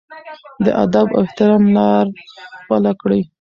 د ادب او احترام لار خپله کړي.